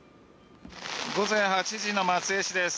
午前８時の松江市です。